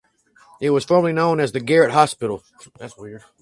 It was formerly known as the "Garrett Hospital".